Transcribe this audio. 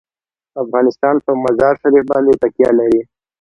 افغانستان په مزارشریف باندې تکیه لري.